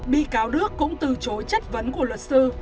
bị cáo đức cũng từ chối chất vấn của luật sư